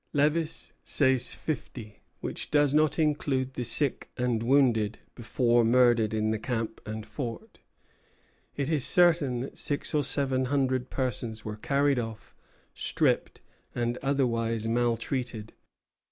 Lévis says fifty; which does not include the sick and wounded before murdered in the camp and fort. It is certain that six or seven hundred persons were carried off, stripped, and otherwise maltreated.